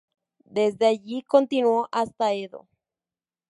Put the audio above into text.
Desde allí, continuó hasta Edo.